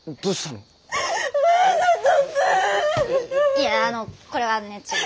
いやあのこれはね違う。